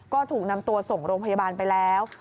ก็ถูกนำตัวส่งโรงพยาบาลไปแล้ว